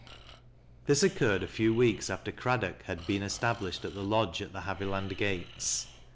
This occurred a few weeks after Craddock had beer, established at the lodge at the Haviland gates.